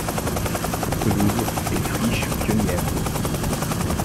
Pelouses et friches pionnières.